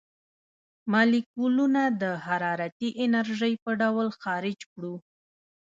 مالیکولونه د حرارتي انرژۍ په ډول خارج کړو.